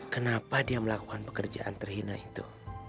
kenapa dia melakukan pekerjaan terhina itu